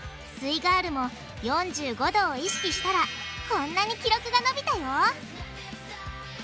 イガールも４５°を意識したらこんなに記録がのびたよ！